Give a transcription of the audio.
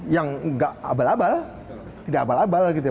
yang nggak abal abal tidak abal abal gitu ya